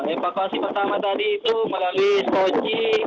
evakuasi pertama tadi itu melalui skoci